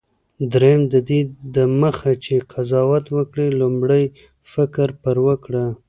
دریم: ددې دمخه چي قضاوت وکړې، لومړی فکر پر وکړه.